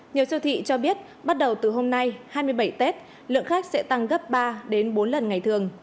nhiều siêu thị cho biết bắt đầu từ hôm nay hai mươi bảy tết lượng khách sẽ tăng gấp ba bốn lần ngày thường